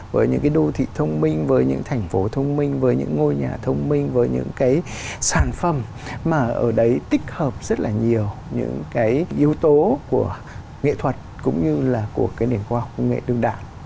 với những cái đô thị thông minh với những thành phố thông minh với những ngôi nhà thông minh với những cái sản phẩm mà ở đấy tích hợp rất là nhiều những cái yếu tố của nghệ thuật cũng như là của cái nền khoa học công nghệ đương đại